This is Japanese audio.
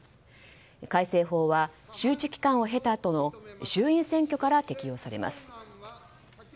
改正法は周知期間を経たあとの衆院選挙から適用されます。